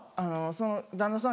旦那さん